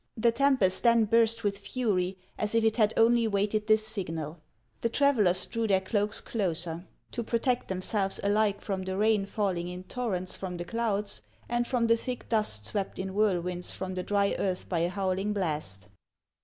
The tempest then burst with fury, as if it had only waited this signal. The travellers drew their cloaks closer, to 134 HANS OF ICELAND. protect themselves alike from the rain falling in torrents from the clouds, and from the thick dust swept in whirl winds from the dry earth by a howling blast.